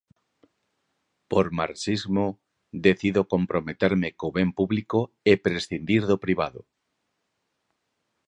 Por marxismo decido comprometerme co ben público e prescindir do privado.